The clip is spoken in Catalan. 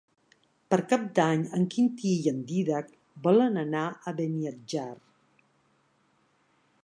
Per Cap d'Any en Quintí i en Dídac volen anar a Beniatjar.